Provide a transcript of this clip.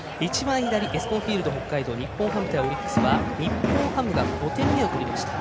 エスコンフィールド北海道日本ハム対オリックスは日本ハムが５点目を取りました。